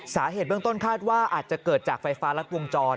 สาเหตุเบื้องต้นคาดว่าอาจจะเกิดจากไฟฟ้ารัดวงจร